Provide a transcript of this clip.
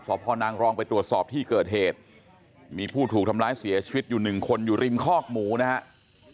พ่อนางรองไปตรวจสอบที่เกิดเหตุมีผู้ถูกทำร้ายเสียชีวิตอยู่หนึ่งคนอยู่ริมคอกหมูนะครับ